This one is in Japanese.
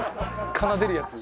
奏でるやつ。